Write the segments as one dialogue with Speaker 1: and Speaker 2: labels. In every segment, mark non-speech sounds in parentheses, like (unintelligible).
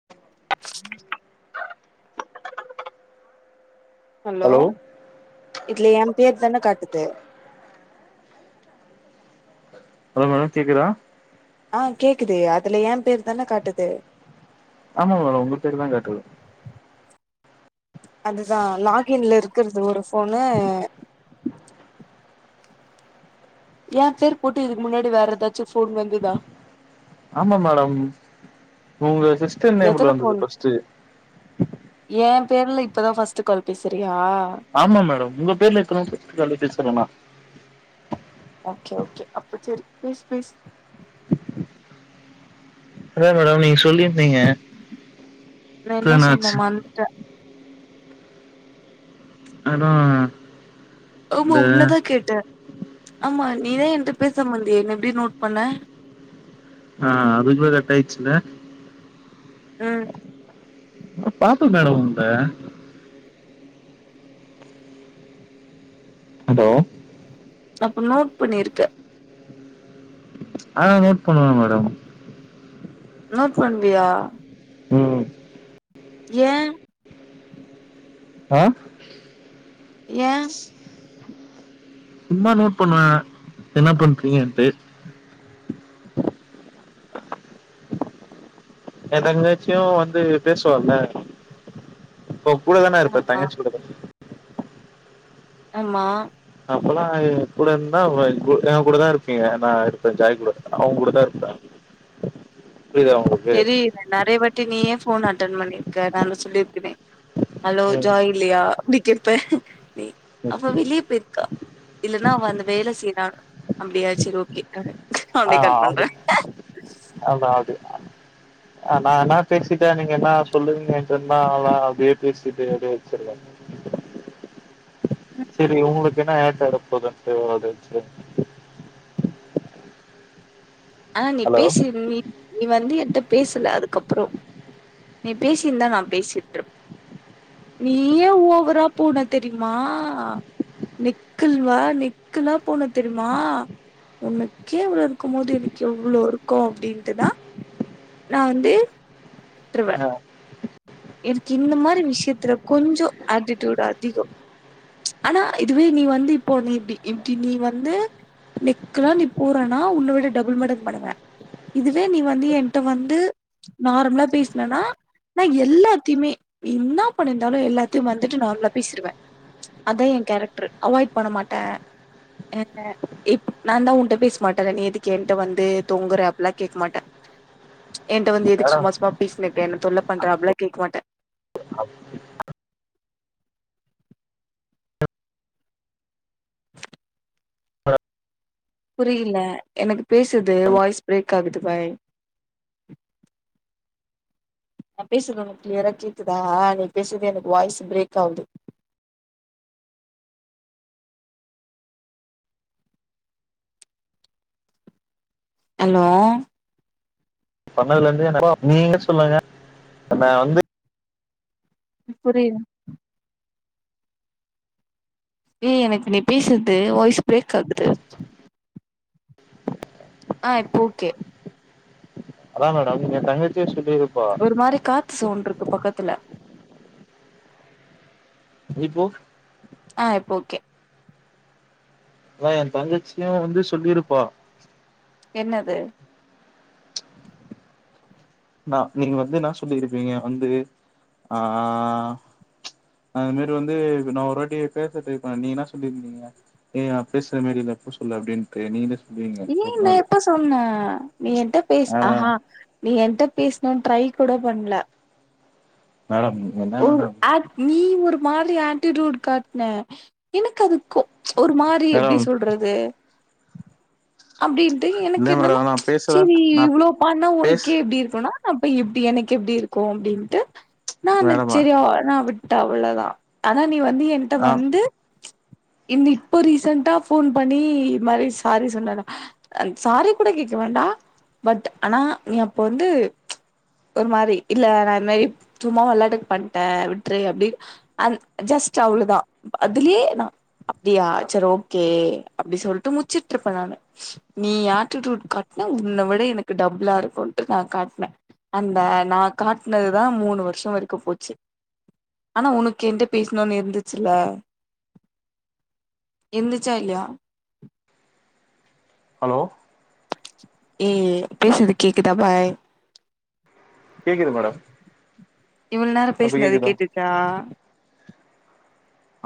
Speaker 1: (unintelligible)
Speaker 2: hello இதுல எ பேர் தான காட்டுது
Speaker 1: ஹலோ மேடம் கேக்குதா
Speaker 2: ஆ கேக்குது அதுல எ பேரு தான காட்டுது
Speaker 1: ஆமா மேடம் உங்க பேரு தா காட்டுது
Speaker 2: அதுதா லாகின்ல இருக்கிறது ஒரு ஃபோனு என் பேர் போட்டு இதுக்கு முன்னாடி வேற ஏதாச்சும் ஃபோன் வந்துதா
Speaker 1: ஆமா மேடம் உங்க சிஸ்டர் நேம்ல
Speaker 2: எத்தன
Speaker 1: வந்தது ஃபர்ஸ்ட்டு
Speaker 2: என் பேர்ல இப்பதா ஃபர்ஸ்ட் கால் பேசுறியா
Speaker 1: ஆமா மேடம் உங்க பேர்ல இருக்கிறவ (unintelligible) பேசுரனா
Speaker 2: ஓகே ஓகே அப்போ சேரி பேசு பேசு
Speaker 1: இல்ல மேடம் நீங்க சொல்லிருந்தீங்க
Speaker 2: நா என்ன சொன்ன
Speaker 1: என்னாச்சு
Speaker 2: மறந்துட்டே
Speaker 1: மேடம்
Speaker 2: ஆமா உன்னதா கேட்ட ஆமா நீதா என்ட்ட பேசாம இருந்தியே என்ன எப்டி நோட் பண்ண
Speaker 1: ஆஹ் அதுகுல்ல கட் ஆச்சில
Speaker 2: ம்
Speaker 1: பாத்த மேடம் உந்த ஹலோ
Speaker 2: அப்ப நோட் பண்ணிருக்க
Speaker 1: ஆனா நோட் பண்ணுவ மேடம்
Speaker 2: நோட் பண்ணுவியா
Speaker 1: ம்
Speaker 2: ஏன்
Speaker 1: அஹ்
Speaker 2: ஏன்
Speaker 1: சும்மா நோட் பண்ணுவ என்ன பன்றீங்கன்ட்டு என் தங்கச்சியும் வந்து பேசுவால இப்ப கூட தான இருப்ப
Speaker 2: ஆமா
Speaker 1: தங்கச்சி கூட தா
Speaker 2: ஆமா
Speaker 1: அப்பல்லா கூட இருந்தா என் கூட தா இருப்பீங்க நா இருப்பே ஜாய் கூட அவன் கூட தா இருப்ப புரியுதா உங்களு
Speaker 2: தெரியிது நிறைய வாட்டி நீயே ஃபோன் அட்டன் பண்ணியிருக்க நாதா சொல்லியிருக்கனே ஹலோ
Speaker 1: ம்
Speaker 2: ஜாய் இல்லையா அப்டி கேப்பே நீ அவ வெளிய பெயிருக்கா இல்லன்னா அவன் அந்த வேல செய்யறான் அப்படியா சேரி ஓகே அப்டி கட் பண்ற
Speaker 1: அதாவது ஆஹ் நா என்னா பேசிட்டே நீங்க என்ன சொல்லுவீங்கன் சொன்னா அவ்ளோதா அப்டியே பேசிட்டு அப்டியே வச்சிருவே சேரி உங்களுக்கு என்ன ஏன்ட்ட (unintelligible)
Speaker 2: ஆஹ் நீ
Speaker 1: ஹலோ
Speaker 2: பேசி நீ நீ வந்து என்ட்ட பேசல அதுக்கப்புறம் நீ பேசியிருந்தா நா பேசி இருப்ப நீயே ஓவரா போன தெரிமா நிக்கல் வா நிக்கலா போன தெரிமா உனக்கே இவ்ளோ இருக்கும் போது என க்கு எவ்ளோ இருக்கும் அப்டின்ட்டு தா நா வந்து விட்ருவ
Speaker 1: ஆ
Speaker 2: எனக்கு இந்த மாரி விஷயத்துல கொஞ்சோ ஆட்டிடியூட் அதிகம் ஆனா இதுவே நீ வந்து இப்போ நீ இப்டி இப்டி நீ வந்து நிக்லா நீ போறனா உன்ன விட டபுள் மடங்கு பண்ணுவே இதுவே நீ வந்து என்ட்ட வந்து நார்மலா பேசுனனா நா எல்லாத்தையுமே நீ என்ன பண்ணியிருந்தாலும் எல்லாத்தையும் மறந்துட்டு நார்மலா பேசிருவே அதா என் கேரக்ட்ரு அவாய்ட் பண்ண மாட்டே அஹ் இப் நா தா உன்ட்ட பேச மாட்டேல நீ எதுக்கு என்ட்ட வந்து தொங்குற அப்டில்லா கேக்க மாட்ட
Speaker 1: (inaudible)
Speaker 2: என்ட்ட வந்து எதுக்கு
Speaker 1: யாரா
Speaker 2: சும்மா சும்மா பேசினுக்க என்ன தொல்ல பண்ற அப்டில்லா கேக்க மாட்ட
Speaker 1: (inaudible)
Speaker 2: புரில எனக்கு பேசுர்து வாய்ஸ் பிரேக் ஆகுது பாய் நா பேசுர்து ஒனுக்கு கிளியரா கேக்குதா நீ பேசுர்து எனக்கு வாய்ஸ் பிரேக் ஆவுது ஹலோ
Speaker 1: பண்ணதுலந்து (unintelligible) நீங்க சொல்லுங்க நா வந்து
Speaker 2: புரிது ஏ எனக்கு நீ பேசுர்து வாய்ஸ் பிரேக் ஆகுது ஆ இப்ப ஓகே
Speaker 1: அதா மேடம் என் தங்கச்சியே சொல்லிருப்பா
Speaker 2: ஒரு மாரி காத்து சவுண்டுருக்கு பக்கத்துல
Speaker 1: இப்போ
Speaker 2: ஆ இப்ப ஓகே
Speaker 1: அதா என் தங்கச்சியே வந்து சொல்லிருப்பா
Speaker 2: என்னது
Speaker 1: நா நீங்க வந்து இன்ன சொல்லிருப்பீங்க வந்து ஆஹ் அது மாரி வந்து நா ஒரு வாட்டி பேச ட்ரை பண்ண நீ என்ன சொல்லிருந்தீங்க ஏ நா பேசற மாரி இல்ல அப்ரோ சொல்லு அப்டினு தெரில (unintelligible)
Speaker 2: (unintelligible) நா எப்ப சொன்னே நீ என்ட்ட பேசு
Speaker 1: யாரா
Speaker 2: அஹம் நீ என்ட பேசணுன்னு ட்ரை கூட பண்ல
Speaker 1: மேடம் என்ன
Speaker 2: ஓ
Speaker 1: மேடம்
Speaker 2: அது நீ ஒரு மாரி ஆட்டிட்யூட் காட்ன எனக்கு அது கோ ஒரு மாரி இது எப்டி
Speaker 1: மேடம்
Speaker 2: சொல்றது அப்டி டேய் எனக்கு
Speaker 1: இல்ல
Speaker 2: என்னன்னா
Speaker 1: மேடம் நா பேசல
Speaker 2: செரி
Speaker 1: நா
Speaker 2: இவ்ளோ பண்ணா
Speaker 1: பேஸ்
Speaker 2: உனக்கே இப்டி இருக்குன்னா அப்ப எப்டி எனக்கு எப்டி இருக்கும் அப்டின்ட்டு நா
Speaker 1: மேடமா
Speaker 2: ஆ நா விட்ட அவ்ள தா ஆனா நீ வந்து என்ட்ட
Speaker 1: ஆ
Speaker 2: வந்து நீ இப்போ ரீசென்டா ஃபோன் பண்ணி இ மாரி சாரி சொன்னல்ல சாரி கூட கேக்க வேண்டா பட் ஆனா நீ அப்ப வந்து ஒரு மாரி இல்ல நா இது மாரி சும்மா வெளாட்டுக்கு பண்ட்டே விட்டுரு அப்டின்னு அது ஜஸ்ட்டு அவ்ள தா அதுலயே நா அப்டியா சரி ஓகே அப்டி சொல்ட்டு முச்சிட்டுருப்ப நானு நீ ஆட்டிட்யூட் காட்ன உன்ன விட எனக்கு டப்ளா இருக்குன்ட்டு நா காட்ன அந்த நா காட்னதுதா மூணு வர்ஷம் வரைக்கு போ ச்சு ஆனா உனக்கு என்ட பேசணுன்னு இருந்துச்சுல இருந்துச்சா இல்லயா
Speaker 1: ஹலோ
Speaker 2: ஏ பேசுறது கேக்குதா பாய்
Speaker 1: கேக்குது மேடம்
Speaker 2: இவ்ள நேரம்
Speaker 1: இப்ப
Speaker 2: பேசுனது
Speaker 1: கேக்குதா
Speaker 2: கேட்டுச்சா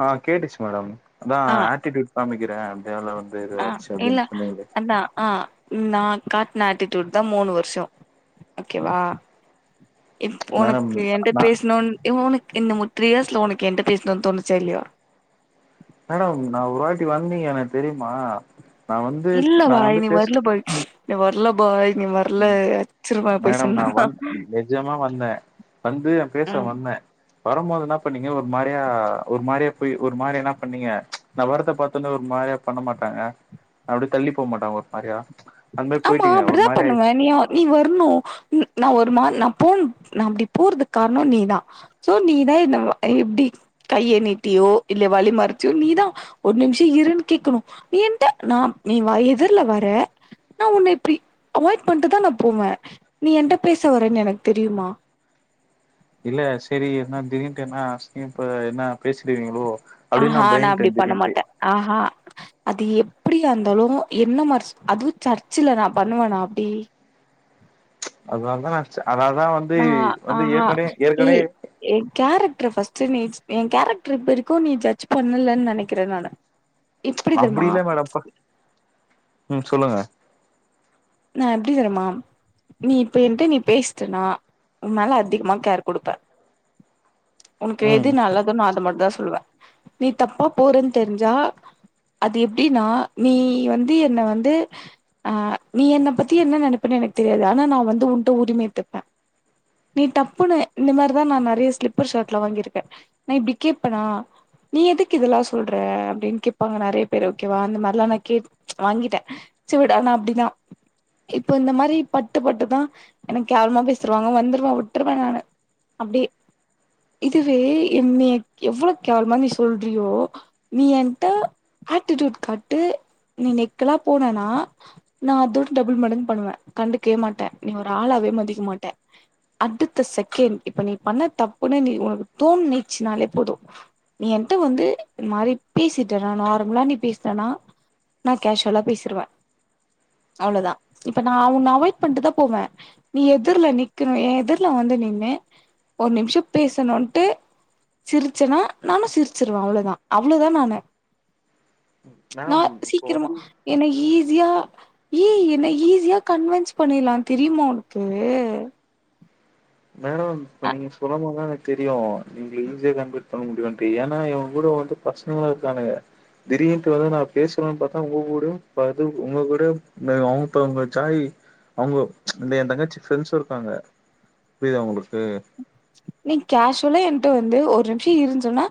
Speaker 1: ஆ கேட்டுச்சு மேடம் அதா
Speaker 2: ஆ
Speaker 1: ஆட்டிட்யூட் காமிக்கறே
Speaker 2: ஆ இல்ல அதா ஆ நா காட்ன ஆட்டிட்யூட் தா மூணு வருஷம் ஓகேவா இப்
Speaker 1: மேடம்
Speaker 2: ஒனக்கு என்ட்ட
Speaker 1: நா
Speaker 2: பேசணுன் உனக் என்ன உ த்ரீ இயர்ஸ்ல உனக்கு என்ட்ட பேசணுன்னு தோணுச்சா இல்லயா
Speaker 1: மேடம் நா ஒரு வாட்டி வந்தீங்க எனக்கு தெரியுமா நா வந்து
Speaker 2: இல்ல
Speaker 1: நா
Speaker 2: பாய்
Speaker 1: வந்து
Speaker 2: நீ
Speaker 1: பேச
Speaker 2: வர்ல பாய் நீ வர்ல பாய் நீ வர்
Speaker 1: மேடம் நா வந் நெஜமா வந்தே வந்து பேச
Speaker 2: ம்
Speaker 1: வந்த வரும்போது என்ன பண்ணீங்க ஒரு மாரியா ஒரு மாரியா போய் ஒரு மாரி என்ன பண்ணீங்க நா வரத பாத்தோன ஒரு மாரியா பண்ண மாட்டாங்க அப்டி தள்ளி போ மாட்டங்க ஒரு மாரியா அந் மாரி போயிட்டிங்க ஒரு மாரி ஆயி
Speaker 2: தனியா நீ வர்ணும் நா ஒரு மா நா போண் நா அப்டி போறதுக் காரணம் நீதா சோ நீதா இந்த மா இப்டி கைய நீட்டியோ இல்ல வழி மறிச்சோ நீதா ஒரு நிம்ஷ இருன்னு கேக்கணு நீ என்ட்ட நா நீ வா எதிர்ல வர நா உன்ன இப்டி அவாய்ட் பண்ட்டுதா நா போவ நீ என்ட்ட பேச வரன்னு எனக்கு தெரியுமா
Speaker 1: இல்ல செரி என்ன திடீன்ட்டு என்னா சரின் இப்ப என்னா பேசிருவீங்களோ
Speaker 2: ஆ ஹா நா அப்டி பண்ண மாட்டே ஆ ஹா அது எப்டியா இருந்தாலு என்ன மார்ச் அதுவு சர்ச்சுல நா பண்ணுவனா அப்டி
Speaker 1: அதனால்தா நா அட்ச்சே அதாதா வந்து வந்து ஏற்கனே ஏற்கனே
Speaker 2: எ கேரக்ட்ர ஃபஸ்ட்டு நீ எ கேரக்ட்ரு இப்ப வரைக்கு நீ ஜட்ஜ் பண்ணலன் நெனைக்கிற நானு இப்டி
Speaker 1: அப்டி
Speaker 2: தெர்மா
Speaker 1: இல்ல மேடம் ம் சொல்லுங்க
Speaker 2: நா எப்டி தெரிமா நீ இப்ப என்ட்ட நீ பேசிட்டனா உ மேல அதிகமாக கேர் குடுப்பே உனக்கு
Speaker 1: ம்
Speaker 2: எது நல்லதோ நா அது மட்டு தா சொல்லுவே நீ தப்பா போறன் தெரிஞ்சா அது எப்டினா நீ வந்து என்ன வந்து அ நீ என்ன பத்தி என்ன நெனப்பனு எனக்கு தெரியாது ஆனா நா வந்து உன்ட்ட உரிம எட்த்துப்ப நீ டப்புன்னு இந்த மாரிதா நா நெறைய ஸ்லிப்பர் ஷர்ட்லா வாங்கிருக்க நா இப்டி கேப்பனா நீ எதுக்கு இதல்லா சொல்ற அப்டின் கேப்பாங்க நெறைய பேரு ஓகேவா அந்த மாரிலா நா கேக் வாங்கிட்ட செவிடா நா அப்டினா இப்ப இந்த மாரி பட்டு பட்டுதா என்ன கேவலமா பேசிருவாங்க வந்துருவ விட்ருவ நானு அப்டியே இதுவே என்னய எவ்ளோ கேவலமா நீ சொல்றியோ நீ என்ட்ட ஆட்டிட்யூட் காட்டு நீ நிக்கலா போனனா நா அதோட டபுள் மடங்கு பண்ணுவ கண்டுகயே மாட்ட நீங்க ஒரு ஆளாவே மதிக்க மாட்ட அடுத்த செகண்ட் இப்ப நீ பண்ண தப்புன்னு நீ ஒனக்கு தோன்னீட்ச்சுனாலே போது நீ என்ட்ட வந்து இந்த மாரி பேசிட்டனா நார்மலா நீ பேசுறனா நா காஷ்வலா பேசிருவ அவ்ளோதா இப்ப நா உன்ன அவாய்ட் பண்ட்டுதா போவே நீ எதிர்ல நிக்கணு எ எதிர்ல வந்து நின்னு ஒரு நிம்ஷ பேசணுன்ட்டு சிரிச்சனா நானு சிரிச்சுருவே அவ்ளோதா அவ்ளோதா நானு நா
Speaker 1: மேம் இப்போ
Speaker 2: சீக்கிரமா என்ன ஈசியா ஏ என்ன ஈசியா கன்வன்ஸ் பண்ணிற்லா தெரியுமா ஒனக்கு
Speaker 1: மேடம் இப்ப நீங்க சொல்லமோது தா எனக்கு தெரியு எங்கள ஈஸசியா கன்வட் பண்ண முடியுன்ட்டு ஏனா இவங்கூட வந்து பஸ்னங்களு இருக்கானுங்க திடீன்ட்டு வந்து நா பேசுறோனு பாத்தா உங்க கூடயு ப து உங்க கூடயு (unintelligible) ஜாயி அவுங்க இந்த எ தங்கச்சி ஃப்ரெண்ட்ஸு இருக்காங்க புரிதா உங்களுக்கு
Speaker 2: நீங் கேஷ்வலா என்ட்ட வந்து ஒரு நிம்ஷ இருன் சொன்னா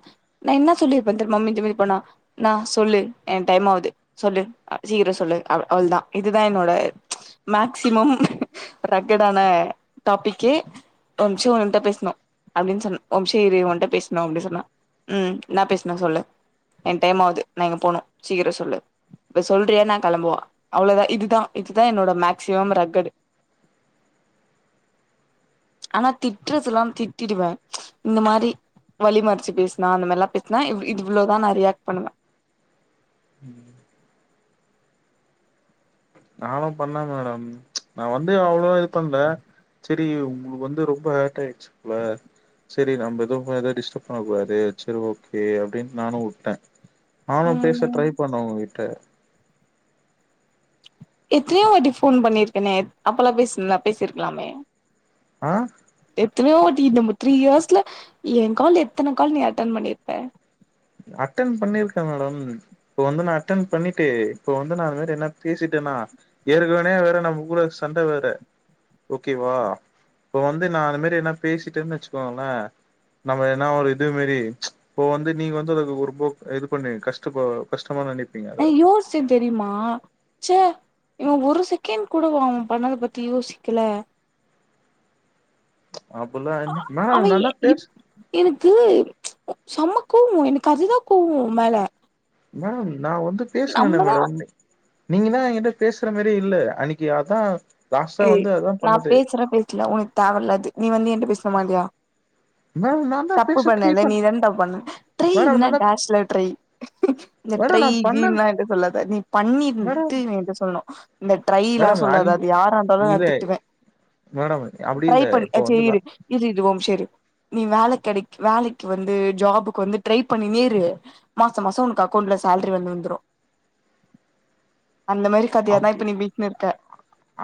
Speaker 2: நா என்ன சொல்லிருப்பே தெர்மா மிஞ்சி மிஞ்சி போனா இன்னா சொல்லு என் டைமாவுது சொல்லு அ சீக்கரோ சொல்லு அவ் அவ்ள்தா இதுதா என்னோட மேக்சிமம் ரக்கடான டாபிக்கு ஒரும்ஷ ஒன்ட்ட பேச னு அப்டின் சொன் ஒரம்ஷ இரு ஒன்ட்ட பேஸ்னு அப்டின் சொன்னா ம் இன்னா பேசனு சொல்லு என் டைமாவுது நா இங்க போனு சீக்கர சொல்லு இப்ப சொல்றியா நா கெளம்பவா அவ்ளோதா இதுதா இதுதா என்னோட மேக்சிமம் ரக்கடு
Speaker 1: (inaudible)
Speaker 2: ஆனா திட்றதுலா திட்டிடுவே இந்த மாரி வழி மறச்சு பேசுனா அந்த மாரிலா பேசுனா இவ் இவ்ளோதா நா ரியாக்ட் பண்ணுவே
Speaker 1: ம் நானு பண்ணே மேடம் நா வந்து அவ்ளோ இது பண்ல செரி உங்களுக்கு வந்து ரொம்ப ஹார்ட் ஆயிர்ச்சு போல செரி நம்ப எதுவு அத டிஸ்டப் பண்ணக்கூடாது செரி ஓகே அப்டின் நானு வுட்டே நானு பேச ட்ரை பண்ண ஒங்ககிட்ட
Speaker 2: எத்தனயோவாட்டி ஃபோன் பண்ணிருக்கனே அப்பலா பேசிருந்தா பேசிருக்கலாமே
Speaker 1: ஆ
Speaker 2: எத்தனியோவாட்டி நம த்ரீ இயர்ஸ்ல என் கால் எத்தன கால் நீ அட்டன் பண்ணிருப்ப
Speaker 1: அட்டன் பண்ணிருக்கே மேடம் இப்ப வந்து நா அட்டன் பண்ணிட்டு இப்ப வந்து நா அது மாரி என்ன பேசிட்டேன்னா ஏற்கனவே வேற நமகுள்ள சண்ட வேற ஓகேவா இப்ப வந்து நா அந்த மேரி எதுனா பேசிட்டேனு வச்சிக்கோங்களே நம்ம என்னா ஒரு இது மேரி இப்போ வந்து நீங்க வந்து அதுக்கு ஒருபோ இது பண்ணு கஷ்டப்ப கஷ்டமான நனைப்
Speaker 2: நா யோசிச்சே தெரியுமா இவன் ஒரு செகண்ட் கூடவா அவ பண்ணத பத்தி யோசிக்கல
Speaker 1: அப்டில்லா இல்ல
Speaker 2: அவ
Speaker 1: மேம் நான்தா
Speaker 2: எ
Speaker 1: பேசு
Speaker 2: எனக்கு செம்ம கோவோ எனக்கு அதுதா கோவோ ஒம்மேல
Speaker 1: மேடம் நா வந்து பேசுனனே
Speaker 2: நம்மதா
Speaker 1: மேடம் நீங்கதா எங்கிட்ட பேசுற மாரியே இல்ல அன்னைக்கு அதா லாஸ்ட்டா
Speaker 2: ஏய்
Speaker 1: வந்து அதா
Speaker 2: நா
Speaker 1: பண்ணுது
Speaker 2: பேசுற பேசல ஒனக்கு தேவயல்ல அது நீ வந்து என்ட்ட பேசனுமா இல்லயா
Speaker 1: மேடம் நான்தா
Speaker 2: தப்பு
Speaker 1: பேச ட்ரை
Speaker 2: பண்ணல
Speaker 1: பண்
Speaker 2: நீதான்டா பண்ண ட்ரை
Speaker 1: மேடம்
Speaker 2: என்ன
Speaker 1: நான்தா
Speaker 2: டேஷ்ல ட்ரை இந்த
Speaker 1: மேடம்
Speaker 2: ட்ரை
Speaker 1: நா பண்ண
Speaker 2: கிய்ன்லா என்ட சொல்லாத நீ
Speaker 1: மேடம்
Speaker 2: பண்ணிர்ன்டு என்ட்ட சொல்லணு இந்த ட்ரைலா
Speaker 1: மேடம் அன்னைக்கு
Speaker 2: சொல்லாத அது யாராருந்தாலு நா
Speaker 1: இல்ல
Speaker 2: திட்டுவே
Speaker 1: மேடம் அப்டி
Speaker 2: ட்ரை
Speaker 1: இல்ல
Speaker 2: பண்ட
Speaker 1: இப்போ வந்து
Speaker 2: சேர் இரு இரு இரு ஒரு நிமிஷோ இரு நீ வேல கெடெக் வேலைக்கு வந்து ஜாபுக்கு வந்து ட்ரை பண்ணினே இரு மாசோ மாசோ உனக்கு அக்கௌண்ட்ல சேல்ரி வந்து விழுந்துரு அந்த மேரி கத்தையதா
Speaker 1: அப்
Speaker 2: இப்ப நீீ வீட்டுனு இருப்ப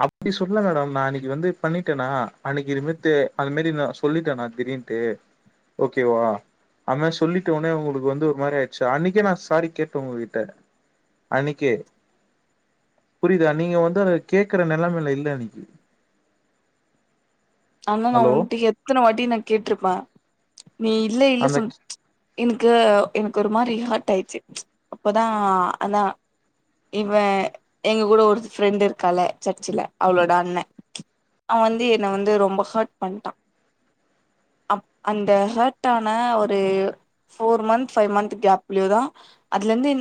Speaker 1: அப்டி சொல்ல மேடம் நான் அன்னைக்கு வந்து பண்ணிட்டேனா அன்னைக்கு இதுமே தே அது மாரி நா சொல்லிட்டேனா திடீர் ட்டு ஓகேவா அதமாரி சொல்லிட்டொனே உங்களுக்கு வந்து ஒரு மாரி ஆயிடுச்சு அன்னைக்கே நா சாரி கேட்டே உங்ககிட்ட அன்னைக்கே புரிதா நீங்க வந்து அத கேக்குற நெலைமல இல்ல அன்னைக்கு
Speaker 2: ஆனா நா
Speaker 1: ஹலோ
Speaker 2: உன்ட்ட எத்தன வாட்டி நா கேட்ருப்பே நீ இல்ல இல்ல
Speaker 1: அந்த
Speaker 2: சொன்ன எனக்கு எனக்கு ஒரு மாரி ஹர்ட் ஆயிடுச்சு அப்போதா அதா இவ எங்க கூட ஒரு ஃப்ரெண்ட் இருக்காள சர்ச்சுல அவளோட அண்ண அவ வந்து என்ன வந்து ரொம்ப ஹர்ட் பண்ட்டா அ அந்த ஹர்ட்டான ஒரு போர் மந்த் ஃபைவ் மந்த் கேப்ளேயேதா அதுல இருந்து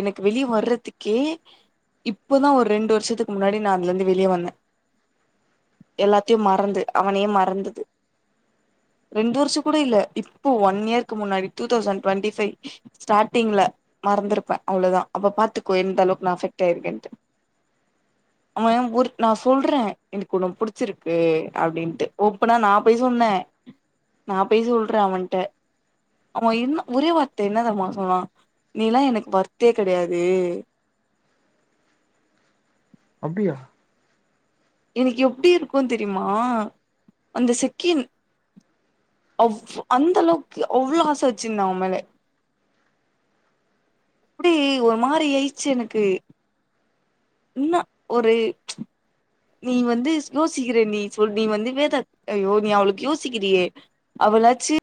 Speaker 2: எனக்கு வெளியே வர்றதுக்கே இப்பதா ஒரு ரெண்டு வருஷத்துக்கு முன்னாடி நா அதுல இருந்து வெளிய வந்தே எல்லாத்தையு மறந்து அவனையே மறந்தது ரெண்டு வருஷம் கூட இல்ல இப்போ ஒன் இயர்க்கு முன்னாடி டூ தௌசண்ட் டுவெண்டி ஃபைவ் ஸ்டார்டிங்ல மறந்திருப்பே அவ்ளதா அப்ப பாத்துக்கோ எந்தளவுக்கு நா அஃபெக்ட் ஆயிருக்கேன்ட்டு அவ ஒரு நா சொல்றே எனக்கு உன்ன புடிச்சிருக்கு அப்படின்ட்டு ஓப்பனா நா போய் சொன்னே நா போய் சொல்றேன் அவன்ட்ட ஆமா என்ன ஒரே வார்த்த என்ன தெர்மா சொன்னா நீலா எனக்கு வர்த்தே கெடையாது
Speaker 1: அப்டியா
Speaker 2: எனக்கு எப்டி இருக்கு தெரியுமா அந்த செகெண்ட் அவ் அந்தளவுக்கு அவ்ளோ ஆச வச்சிருந்தே அவ மேல அப்டி ஒரு மாரி ஆயிச்சு எனக்கு ன்ன ஒரு நீ வந்து யோசிக்கிற நீ சொல் நீ வந்து வேதா யோ நீ அவளுக்கு யோசிக்கிறியே அவளாச்சி